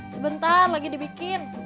sebentar lagi dibikin